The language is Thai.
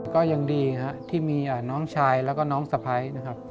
ก็ยังดีที่มีน้องชายและน้องสะพัย